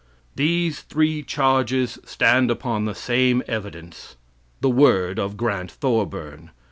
These three charges stand upon the same evidence the word of Grant Thorburn.